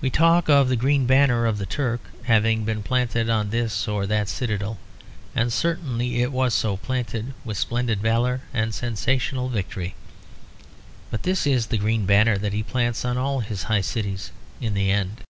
We talk of the green banner of the Turk having been planted on this or that citadel; and certainly it was so planted with splendid valour and sensational victory. But this is the green banner that he plants on all his high cities in the end.